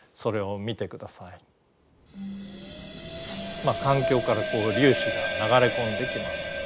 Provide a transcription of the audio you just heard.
まあ環境から粒子が流れ込んできます。